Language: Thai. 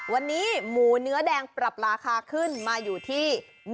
วันนี้หมูเนื้อแดงปรับราคาขึ้นมาอยู่ที่